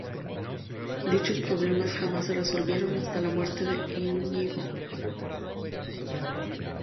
Dichos problemas jamás se resolvieron, hasta la muerte de Íñigo.